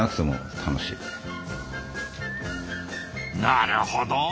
なるほど。